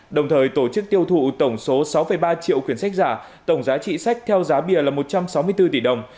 đồng thời tổ chức tiêu thụ tổng số sáu ba triệu quyển sách giả tổng giá trị sách theo giá bìa là một trăm sáu mươi bốn tỷ đồng